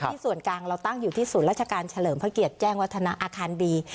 ส่วนกลางเราตั้งอยู่ที่ศูนย์ราชการเฉลิมพระเกียรติแจ้งวัฒนาอาคารดี